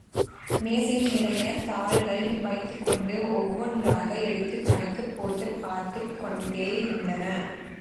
மேசையில் நிறையத் தாள்களை வைத்துக்கொண்டு ஒவ்வொன்றாக எடுத்துக் கணக்குப் போட்டுப் பார்த்துக்கொண்டேயிருந்தான்.